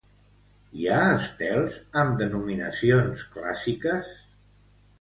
Hi ha estels amb denominacions clàssiques?